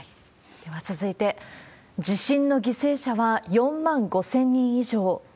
では続いて、地震の犠牲者は４万５０００人以上。